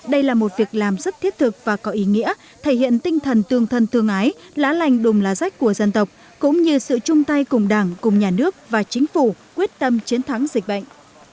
đây là một việc làm rất thiết thực và có ý nghĩa thể hiện tinh thần tương thân tương ái lá lành đùm lá rách của dân tộc cũng như sự chung tay cùng đảng cùng nhà nước và chính phủ quyết tâm chiến thắng dịch bệnh